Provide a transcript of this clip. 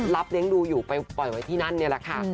เลี้ยงดูอยู่ไปปล่อยไว้ที่นั่นนี่แหละค่ะ